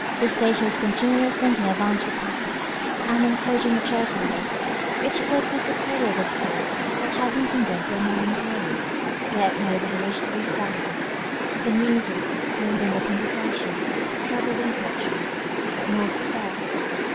This day she was continually thinking of Ann's recovery, and encouraging the cheerful hopes, which though they dissipated the spirits that had been condensed by melancholy, yet made her wish to be silent. The music, more than the conversation, disturbed her reflections; but not at first.